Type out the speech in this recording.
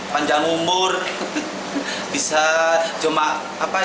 panjang umur bisa jemaah